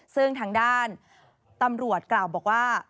ซึ่งทางด้านตำรวจกล่าวบอกว่า